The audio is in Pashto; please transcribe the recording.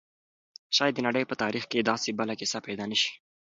شاید د نړۍ په تاریخ کې داسې بله کیسه پیدا نه شي.